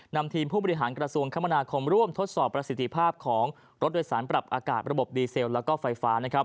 นำทีมผู้บริหารกระทรวงคมนาคมร่วมทดสอบประสิทธิภาพของรถโดยสารปรับอากาศระบบดีเซลแล้วก็ไฟฟ้านะครับ